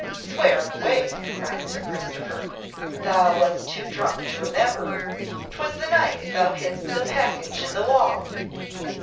"Swear away!" cried Sir Christopher; "thou wast too drunk to remember. 'Twas the night thou hidst the package in the wall."